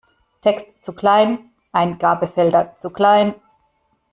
Text zu klein, Eingabefelder zu klein.